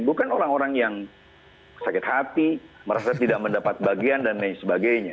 bukan orang orang yang sakit hati merasa tidak mendapat bagian dan lain sebagainya